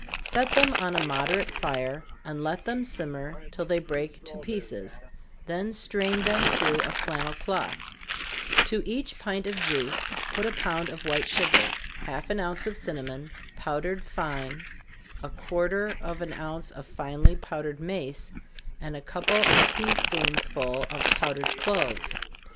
Set them on a moderate fire, and let them simmer till they break to pieces, then strain them through a flannel cloth to each pint of juice put a pound of white sugar, half an ounce of cinnamon, powdered fine, a quarter of an ounce of finely powdered mace, and a couple of tea spoonsful of powdered cloves.